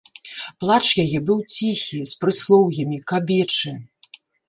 Плач яе быў ціхі, з прыслоўямі, кабечы.